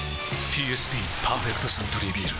ＰＳＢ「パーフェクトサントリービール」